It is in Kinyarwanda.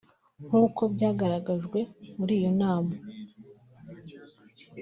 nk’uko byagaragajwe muri iyo nama